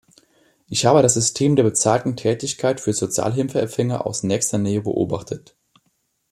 Ich habe das System der bezahlten Tätigkeit für Sozialhilfeempfänger aus nächster Nähe beobachtet.